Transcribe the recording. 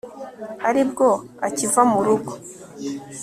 ari bwo akiva mu rugo